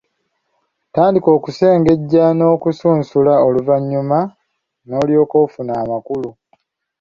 Tandika okusengejja n'okusunsula oluvannyuma n'olyoka ofuna amakulu.